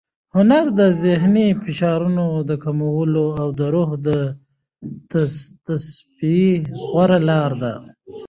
هنر د ذهني فشارونو د کمولو او د روح د تصفیې غوره لار ده.